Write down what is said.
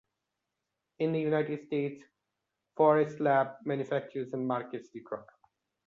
In the United States, Forest Labs manufactures and markets the drug.